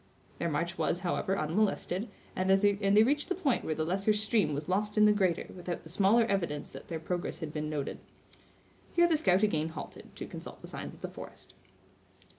Their march was, however, unmolested, and they reached the point where the lesser stream was lost in the greater, without the smallest evidence that their progress had been noted. Here the scout again halted, to consult the signs of the forest.